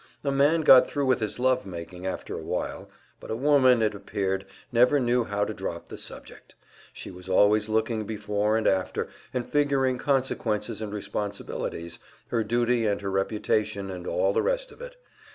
A man got thru with his love making after awhile, but a woman, it appeared, never knew how to drop the subject; she was always looking before and after, and figuring consequences and responsibilities, her duty and her reputation and all the rest of it.